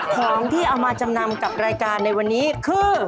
ของที่เอามาจำนำกับรายการในวันนี้คือ